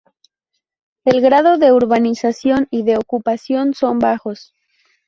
El grado de urbanización y de ocupación son bajos.